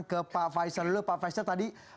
ke pak faisal dulu pak faisal tadi